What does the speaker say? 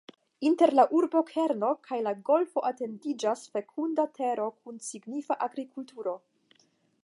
Inter la urbokerno kaj la golfo etendiĝas fekunda tero kun signifa agrikulturo.